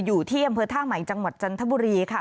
อยู่ที่อำเภอท่าใหม่จังหวัดจันทบุรีค่ะ